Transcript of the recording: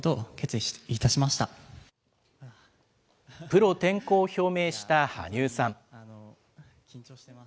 プロ転向を表明した羽生さん。